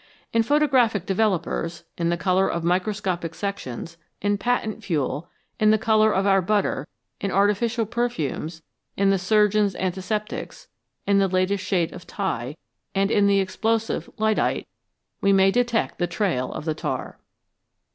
In photographic developers, in the colour of microscopic sections, in patent fuel, in the colour of our butter, in artificial perfumes, in the surgeon's antiseptics, in the latest shade of tie, and in the explosive lyddite, we may detect the trail of the tar.